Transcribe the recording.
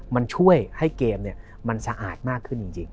มันช่วยให้เกมมันสะอาดมากขึ้นจริง